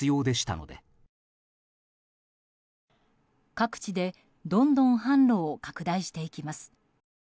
各地でどんどん販路を拡大していきます。